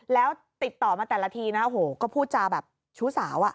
แล้วติดต่อมาแต่ละทีนะโอ้โหก็พูดจาแบบชู้สาวอ่ะ